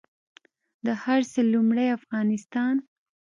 د هر څه لومړۍ افغانستان